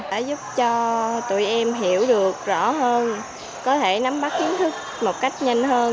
đã giúp cho tụi em hiểu được rõ hơn có thể nắm bắt kiến thức một cách nhanh hơn